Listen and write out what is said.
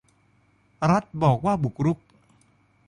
รัฐบอกว่าบุกรุก